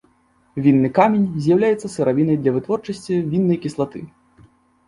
Вінны камень з'яўляецца сыравінай для вытворчасці віннай кіслаты.